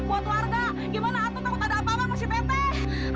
gimana atur takut ada apa apa sama si teteh